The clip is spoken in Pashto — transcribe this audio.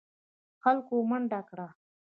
خلکو منډه کړه.